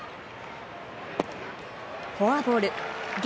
フォアボール。